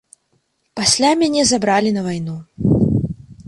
Пасля мяне забралі на вайну.